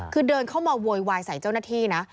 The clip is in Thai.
คือเดินเข้ามาโวยวายใส่เจ้าหน้าที่นะ